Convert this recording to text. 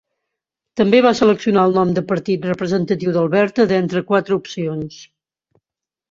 També va seleccionar el nom de Partit Representatiu d'Alberta d'entre quatre opcions.